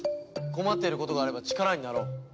困っていることがあれば力になろう。